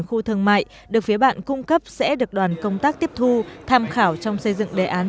khu thương mại được phía bạn cung cấp sẽ được đoàn công tác tiếp thu tham khảo trong xây dựng đề án